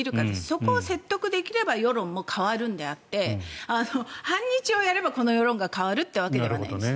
そこを説得できれば世論も変わるのであって反日をやればこの世論が変わるということではないんです。